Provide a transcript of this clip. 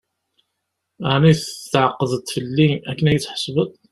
Ɛni tεeqdeḍ-t fell-i akken ad yi-d-tḥesbeḍ?